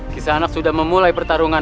kisanak sudah memulai pertarungan